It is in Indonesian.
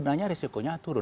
sebenarnya risikonya turun